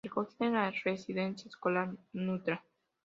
Recogida en la Residencia Escolar Ntra.